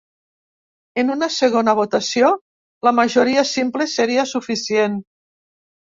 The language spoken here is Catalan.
En una segona votació la majoria simple seria suficient.